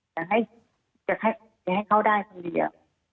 จะให้เขาได้คนเดียว